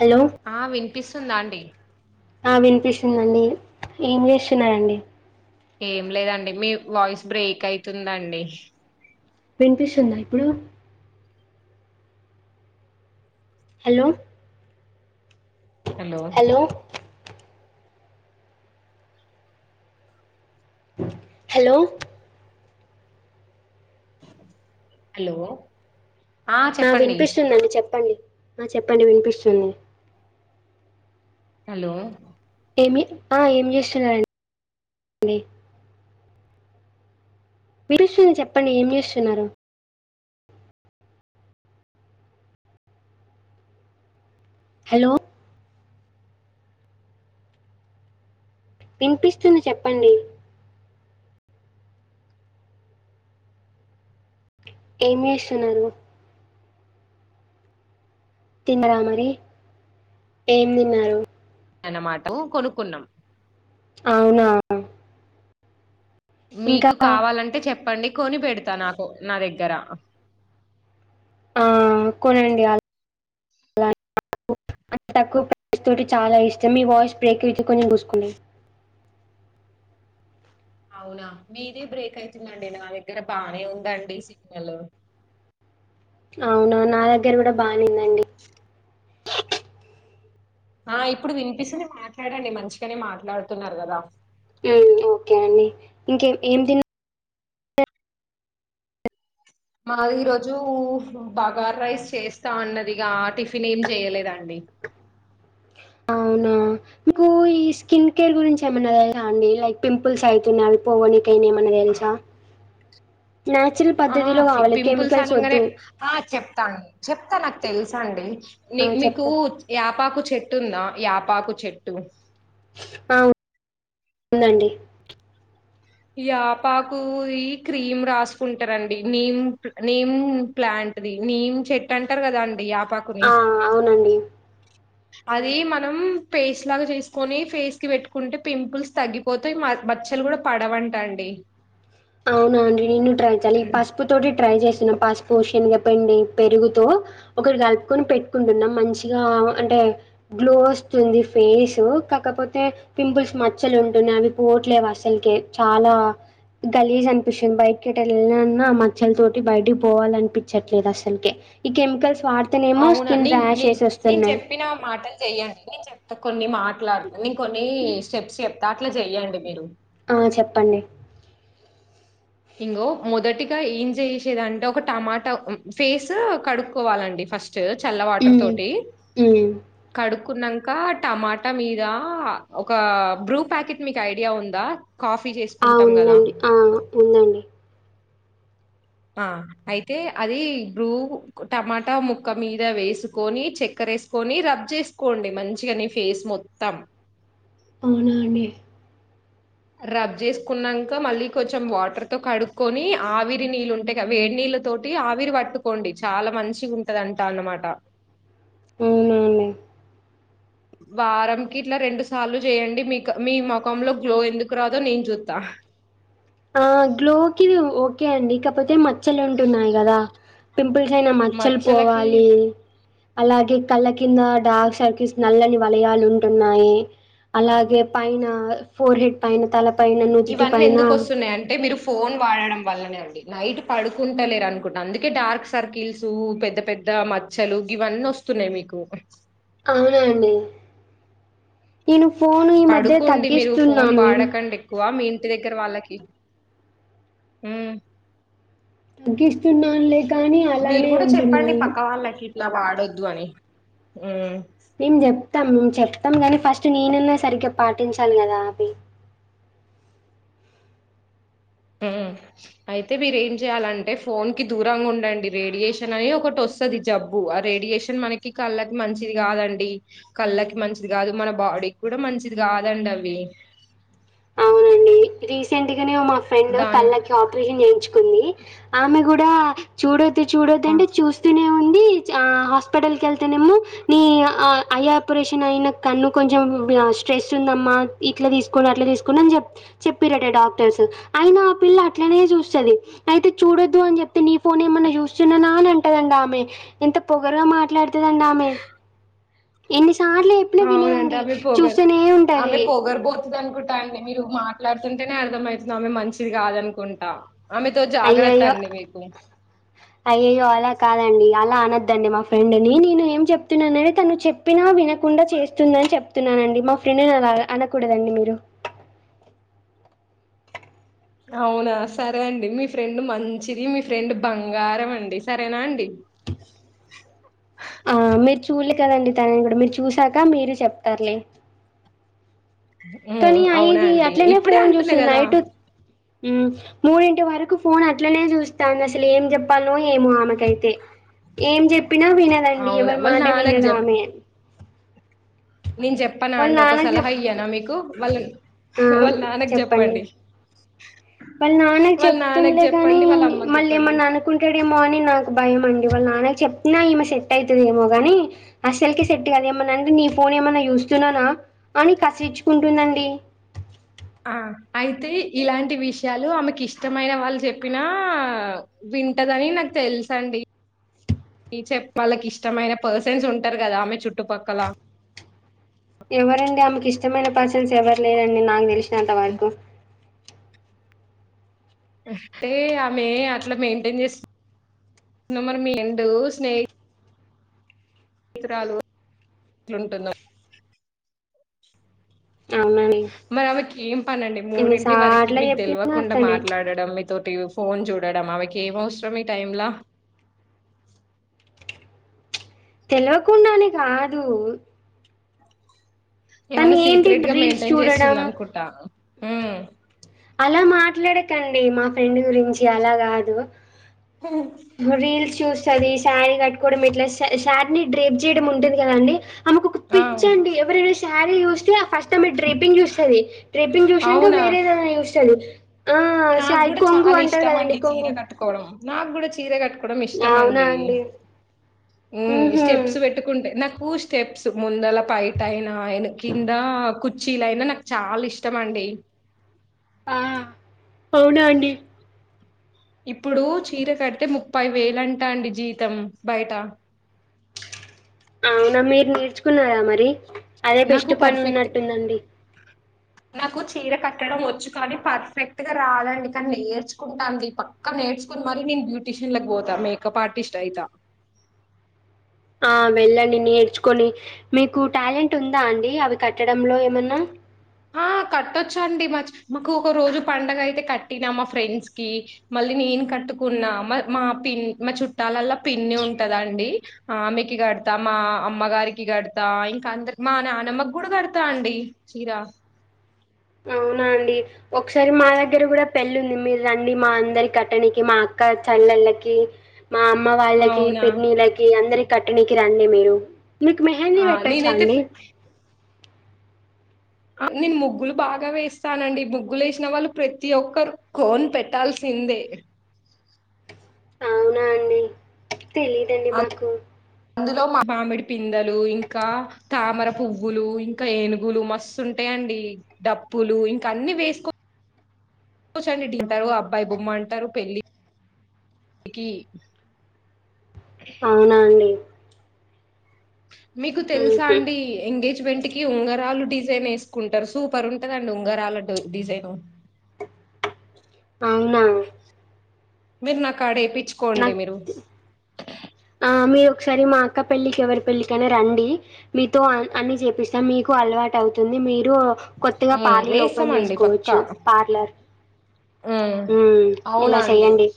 Hello ఆ వినిపిస్తుందా అండి ఆ వినిపిస్తుందండి ఏం చేస్తున్నారండి ఏం లేదండి మీ వాయిస్ బ్రేక్ అయితుందండి వినిపిస్తుందా ఇప్పుడు హలో హలో హలో హలో ఆ వినిపిస్తుందండి చెప్పండి ఆ చెప్పండి వినిపిస్తుంది హలో ఏమి ఆ ఏమి చేస్తున్నారండి ఆ వీరుస్తుని చెప్పండి ఏం చేస్తున్నారు హలో వినిపిస్తూది చెప్పండి ఏం చేేస్తున్నారు తిన్నరా మరి ఏం తిన్నారు అనమాటం కొనుకున్నాం అవునా ఇంకా మీకు కావాలంటే చెప్పండి కొని పెడతా నాకు నా దగ్గర కునండి ఆ అంత తక్కువ ప్రైస్ తోటి చాలా ఇష్టం మీ వాయిస్ బ్రేక్ అయ్యింది కొంచెం చిసుకునే అవునా మీది బ్రేక్ అయితుందండి నా దగ్గర బానే ఉందండి సిగ్నల్ అవును నా దగ్గర కూడా బాగానేందండి ఆ ఇప్పుడు వినిపిస్తుంది మాట్లాడండి మంచిగానే మాట్లాడుతున్నారు గద ఉ ఓకే అండి ఇంకేం ఏం తిన్న మాది ఈ రోజు బగార్ రైస్ చేస్తా అన్నదిగా టిఫిన్ ఏమి చేయలేదండి అవునా మీకు ఈ స్కిన్ కేర్ గురించి ఏమైనాా తేలు అండి లైక్ పింపుల్స్ అయితున్నాయి పోవని తే నాయన ఆ తెల్సా ఆ పింపుల్స్ కెమికల్స్ అనంగనే వద్దు. ఆ చెప్తాను చెప్ తానా తెల్స అండి ఆ! మీ మీకు చెప్తా. యాపాకు చెట్టు ఉందా యాపాకు చెట్టు ఆ ఉన్ ఉందండి యాపాకు క్రీమ్ రాసుకుంటరండి. నీమ్ నీమ్ ప్లాంట్ ది నీమ్ చెట్టు అంటరు కదా అండి. యాపాకుని ఆ అవునండి అది మనం ఫేస్ లాగా చేసుకొని ఫేస్ కి పెట్టుకుంటే పింపుల్స్ తగ్గిపోతాయి. బచ్చలు కూడా పడవంటా అండి. అవునా అండి. నేను ట్రై చాలి ఈ పసుపు తోటి ట్రై చేస్ పస్పోషిన్గా పెండి పెరుగుతూ ఒకటి కలుపుకొని పెట్టుకుంటున్నాం. మంచిగా అంటే గ్లో వస్తుంది. ఫేసు కాకపోతే పింపుల్స్ మచ్చలు ఉంటున్నాయి. అవి పోట్లేవు అసలకే చాలా గలీజ్ అనిపిస్తుంది. బైక్కిట వెళ్ నన్నా మచ్చల తోటి బయటకి పోవాల అనిపించట్లేదు. అసలుకే ఈ కెమికల్స్ వాడితేనేమో అవునా స్కిన్ నే నేన్ ర్యాషెస్ నేను వస్తున్నాయి చెప్పిన మాటలు చెయ్యని పకొళ్ మేం మ మాట్లాడుతు నేన్ కొన్ని స్టెప్స్ చెప్ దాట్లో చెయ్యండి మీరు ఆ చెప్పండి ఇంగో మొదటిగా ఏం చేసిరంటే ఒక టమాటా ఫేస్ కడుక్కోవాలండి ఫస్ట్ స్ చల్ల వాటర్ హ్మ్ తొటి హ్మ్ కడు కున్నాక టమాటా మీద ఒక బ్రూ ప్యాకెట్ మీకు ఐడియా ఉందా కాఫీ ఆ చేసుకుంటాం కదా ఉందండి ఆ ఉందండి ఆ అయితే అది బ్రూ టమాటా ముక్క మీద వేసుకొని, చక్కర వేసుకొని రబ్ చేసుకోండి. మంచిగా నీ ఫేస్ మొత్తం. అవునా అండి రబ్ చేసుకున్నంక, మళ్ళీ కొంచెం వాటర్తో కడుక్కొని, ఆవిరి నీళ్ళు ఉంటాయి కదా. వేడి నీళ్ళ తోటి ఆవిరి పట్టుకోండి. చాలా మంచిగ ఉంటది అంటా అన్నమాట. అవును అవునే వారంకి ఇట్లా రెండు సార్లు జేయండి. మీకు మీ ముఖంలో గ్లో ఎందుకు రాదో నేను చూత్తా. ఆ గ్లోకిఓ ఓకే అండి కాకపోతే మచ్చలు ఉంటున్నాయి కదా పింపుల్స్ అయినా మచ్చలు మచ్చలకి పోవాలి అలాగే కళ్ళ కింద డార్క్ సర్కిల్స్ నల్లని వలయాలు ఉంటున్నాయి. అలాగే పైన ఫోర్ హెడ్ పైన తల పైన నుదుటి ఇవన్నీ పైనా ఎందుకు వస్తున్నాయి అంటే మీరు ఫోన్ వాడడం వల్లనే అండి. నైట్ పడుకుంటలేర అనుకుంటు అందుకే డార్క్ సర్కిల్స్ పెద్ద పెద్ద మచ్చలు ఇవన్నీ వస్తున్నాయి మీకు. అవునా అండి నేను ఫోను ఈ మధ్య పడుకోండి మీరు ఫోన్ తగ్గిస్తున్నాను వాడకండి ఎక్కువ మీ ఇంటి దగ్గర వాళ్ళకి ఊ తగ్గిస్తున్నానులే కానీ అలానే ఉంటున్నాయి. ఇలా వాడొద్దు అని మేము చెప్తాం చెప్ తాం కానీ ఫస్ట్ నేనన్నా సరిగ్గా పాటించాలి కదా అవి మ్ అయితే మీరు ఏం చెయాలంటే ఫోన్ కి దూరంగా ఉండండి. రేడియేషన్ అని ఒకటి వస్తది. జబ్బు ఆ రేడియేషన్ మనకి కళ్ళకి మంచిది కాదండి. కళ్ళకి మంచిది కాదు మన బాడీకి కూడా మంచిది కాదండి అవి రీసెంట్ గానే మా ఫ్రెండ్ దాని కళ్ళకి ఆపరేషన్ చేయించు కుంది ఆమె కూడా చూడ ఆ, చూడొద్దంటే చూస్తూనే ఉంది హాస్పిటల్ కి వెళ్తేనేమో నీ అ ఐ ఆపరేషన్ అయిన కన్ను కొంచెం స్ట్రెస్ ఉందమ్మా ఇట్లా తీసుకోం అట్లా తీసుకోం అని చెప్త్ చెప్పిరట డాక్టర్స్ అయిన ఆ పిల్ల అట్లనే చూస్తది అయితే చూడొద్దు అని చెప్ప నీ ఫోన్ ఏమన్నా చూస్తున్నానా అని అంటూ అంటది ఆమె ఎంత పొగరుగా మాట్లాడుతదండి ఆమె ఎన్ని సార్లు చెప్పినా అవునండి వినదండి. ఆమె కి పోగారు చూస్తూనే ఆ ఉంటది. పోగరు బోతుదనుకుంటా కాదండి మీరు మాట్లాడుతుంటేనే అర్థం అయితంది. ఆమె మంచిది కాదనుకుంటా ఆమెతో జాగ్రత్త అయ్యయ్యో అండి మీకు అయ్యయ్యో అలా కాదండి ఆమె ను అలా అనద్దండి మా ఫ్రెండ్ని నేను ఏం చెప్తున్నానే తను చెప్పినా వినకుండా చేస్తుందని చెప్తున్నానండి మా ఫ్రెండ్ అలా అనకూడదండి మీరు అవునా సరే అండి మీ ఫ్రెండ్ మంచిది. మీ ఫ్రెండ్ బంగారం అండి సరేనా అండి ఆ మీరు చూల్లే కదండి తనని కూడా మీరు చూసాక మీరు చెప్తారులే ఉ కానీ అవునా ఐది అండి ఇప్పుడే అంటున్నా కదా మ్మ్ మూడింటి వరకు ఫోన్ అట్లనే చూస్తంది అసలు ఏం చెప్పాలో ఏమో ఆమెకైతే ఏం చెప్పినా వినదండి అవునా ఎవరి వాళ్ళ మాట నాన్నకు చెప్ వినదామె నేను చెప్పనా వాళ్ళ అండి ఒక నాన్నకి సలహా జెప్ ఇయ్యానా మీకు వాళ్ళ ఆ! హా వాళ్ళ నాన్నకు చెప్పండి. వాళ్ళ నాన్నకు వాళ్ళ నాన్నకు చెప్తలే కానీ చెప్పండి వాళ్ళ అమ్మకు మళ్ళీ చెప్పండి ఏమన్నా అనుకుంటాడేమో అని నాకు భయం అండి వాళ్ళ నాన్న చెప్పిన ఈమె సెట్ అయితదేమో గాని అసలుకే సెట్ కాదు ఏమన్నా అంటే నీ ఫోన్ ఏమన్నా చూస్తున్నానా అని కసిరించుకుంటుందండి ఆ అయితే ఇలాంటి విషయాలు ఆమెకి ఇష్టమైన వాళ్ళు చెప్పినా వింటదని నాకు తెలుసండి. వాళ్ళకి ఇష్టమైన పర్సన్స్ ఉంటారు కదా ఆమె చుట్టుపక్కల ఎవరండి ఆమెకి ఇష్టమైన పర్సన్స్ ఎవరు లేరండి నాకు తెలిసి ఇంత వరకు హే ఆమె అట్ల మెయింటైన్ చేస్తుంది మరి మీ స్నేహి రాలు ఏట్లుంటుందో అవునండి మరి ఆమెకి ఏం పనండి మూడింటి వారికి ఎన్నిసార్లు మీకు చెప్పినా తెలివకుండా అట్లనే మాట్లాడడం మీతోటి ఫోన్ చూడడం అమెకి ఏం అవసరం ఈ టైమ్లా తెలియకుండా అని కాదు తను ఏమన్నా ఏంటి సీక్రెట్ గా రీల్స్ మెయింటైన్ చూడడం చేస్తుందనుకుంటా మ్మ్ హ్ అలా మాట్లాడకండి మా ఫ్రెండ్ గురించి అలా కాదు రీల్ చూస్ అది శారీ కట్టుకోవడం ఇట్లా శ శారీని డ్రేప్ చేయడం ఉంటది కదండి ఆమెకు ఒక ఆ పిచ్చండి ఎవరైనా శారీ చూస్తే ఆ ఫస్ట్ మి ట్రెపింగ్ చూస్తది ట్రెపింగ్ చూసినాక అవునా వేరే ఏదనా చూస్తది ఆ నాకు శారీ కూడా కొంగు చాలా అంటారు ఇష్టం కదండి అండి చీర కొంగు కట్టుకోవడం నాకూడా చీరే కట్టు డం ఇష్టం అండి ఉమ్ ఊహూ స్టెప్స్ పెట్టుకుంటే నాకు టు స్టెప్స్ ముందల పైట అయినా అయినా కిందా కు చీల అయినా నాకు చాలా ఇష్టం అండి ఆ అవునా అండి ఇప్పుడు చీర కడితే ముప్పై వేలు అంటా అండి జీతం బయట అవునా మీరు నేర్చుకున్నారా మరి అదే నాకు బెస్ట్ పని పర్ఫెక్ట్ ఉన్నట్టుందండి నాకు చీర కట్టడం వచ్చు కానీ పర్ఫెక్ట్ గా రాదండి కానీ నేర్చుకుంటాంది పక్క నేర్చుకుని మరి నేను బ్యూటీషియన్ లకి పోతా మేకప్ ఆర్టిస్ట్ అయిత ఆ వెళ్ళండి నేర్చుకొని మీకు టాలెంట్ ఉందా అండి అవి కట్టడంలో ఏమన్నా ఆ కట్టచ్చండి మచ్ మాకు ఒక రోజు పండగ అయితే కట్టినా మా ఫ్రెండ్స్ కి మళ్ళీ నేను కట్టుకున్నా మా పి మా చుట్టాలల్లో పిన్ని ఉంటదండి ఆమెకి కడతా మా అమ్మగారికి కడతా ఇంకా అందరి మా నానమ్మకి కూడా కడతా అండి చీర అవునా అండి ఒకసారి మా దగ్గర కూడా పెళ్ళుంది మీరు రండి మా అందరి కట్టనికి మా అక్క చల్లెళ్ళకి మా అమ్మ వాళ్ళకి అవునా పిన్నిలకి అందరికి కట్టనీకి రండి మీరు మీకు మెహందీ ఆ పెట్టొచ్చా నేనైతే అండి ఫ్రీ నేను ముగ్గులు బాగా వేస్తానండి ముగ్గులు వేసిన వాళ్ళు ప్రతి ఒక్కరు కోన్ పెట్టాల్సిందే అవునా అండి తెలిదండి మాకు అందులో మామిడి పిందలు ఇంకా తామర పువ్వులు ఇంకా ఏనుగులు మస్తుంటాయండి డప్పులు ఇంకా అన్ని వేసుకో కూచొండి తింటారు అబ్బాయి బొమ్మ అంటారు పెళ్లి ఇకి అవునా అండి మీకు తెలుసా హుహు. అండి ఎంగేజ్ వెట్కి ఉంగరాలు డిజైన్ వేసుకుంటారు సూపర్ ఉంటదండి ఉంగరాల తోటి డిజైన్ అవునా మిరు నాకాడేపి ఆ ఆ మీరు ఒకసారి మా అక్క పెళ్ళికి ఎవరి పెళ్లికన్న రండి మీతో అని చేపిస్తా మీకు అలవాటు అవుతుంది మీ టు కొత్తగా పార్లర్ ఓపెన్ వేస్తామండి చేసుకోవచ్చు పక్కా పార్లర్ హ్మ్ మ్ ఇలా చెయ్యండి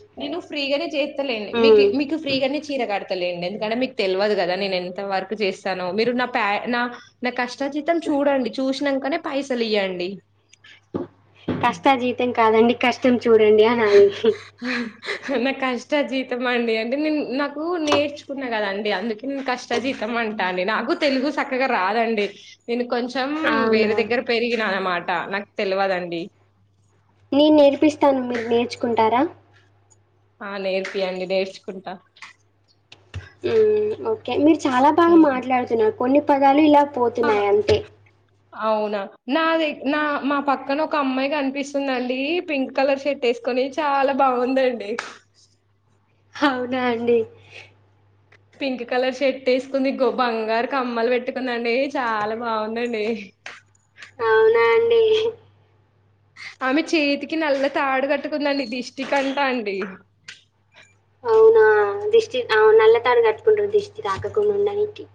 ఫ్రీ గానే చేత్ అంతే లేండి మీకు మీకు ఫ్రీగానే చీర కడు అంతే లేండి ఎందుకంటే మీకు తెల్వదు కదా నేను ఎంత వర్క్ చేస్తానో మీరు నా పే కష్ట చితం చూడండి చూసి నాన్కనే పైసలు ఇయ్యండి కష్టా జీతం కాదండి కష్టం చూడండి ఆహా హి నా కష్ట జీతం అండి అంటే నేను నాకు నేర్చుకున్నా కదండి అందుకే నేను కష్ట జీతం అంటా అండి నాకు తెలుగు చక్కగా రాదండి నేను కొంచెం కొంచెం అవునా వేరే దగ్గర పెరిగినా అనమాట ట నాకు తెలియదండి నేను నేర్పిస్తాను మీరు నేర్చుకుంటారా ఆ నేర్పియండి నేర్చుకుంటా మ్ ఓకే మీరు చాలా బాగా హ్మ్. మాట్లాడుతున్నారు కొన్ని పదాలు ఇలా పోతున్నాయి అంతే అవునా నా ద నా మా పక్కన ఒక అమ్మాయి కనిపిస్తుందండి పింక్ కలర్ షర్ట్ వేసుకొని చాలా బాగుందండి అవునా అండి పింక్ కలర్ షర్ట్ ఎసుకుంది గో బంగారు కమ్మలు పెట్టుకున్నా అండి చాలా బాగుందండి అవునా అండి. ఆమె చేేతికి నల్ల తాడు కట్టుకుందండి దిష్టి కంటా అండి అవునా దిష్టి ఆమె నల్ల తాడు కట్టుకుంటుంది దృష్టి తాకకుండా ఉండానికి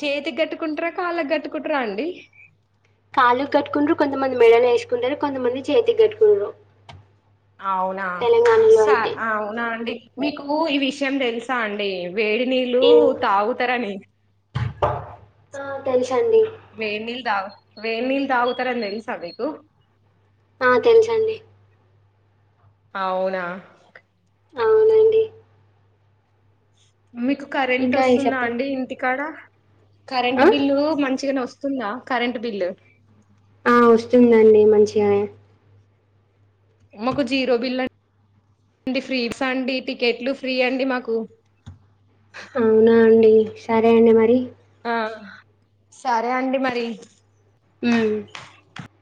చేతికి కట్టుకుంటార కాళ్ళకి కట్టుకుంటార అండి కాళ్లు కట్టుకుంట్రు కొంతమంది మెడలు వేసుకుంటారు కొంతమంది చేతికి కట్టుకుంట్ర అవునా స అవునా అండి మీకు ఈ విషయం తెలుసా అండి వేడి నీళ్ళు ఏంటి తాగుతారని తన్ వేనిల్ తాగ్ వేడినీళ్ తాగుతర్ అని తెలుసా మీకు ఆ తెలుసండి అవునా అవునండి మీకు కరెంట్ ఇంకా వస్తుందా చెప్పండి అండి ఇంటికాడ కరెంట్ ఆ? బిల్లు మంచిగనే వస్తుంది వస్తుందా కరెంట్ బిల్ ఆ వస్తుందండి మంచిగా మాకు జీరో బిల్ ఫ్రీస్ అండి టికెట్లు ఫ్రీ అండి మాకు అవునా అండి సరే అండి మరి ఆ సరే అండి మరి ఉమ్